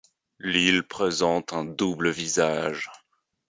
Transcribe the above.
L'île présente un double visage.